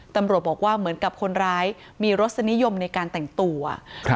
ตำรวจบอกว่าเหมือนกับคนร้ายมีรสนิยมในการแต่งตัวครับ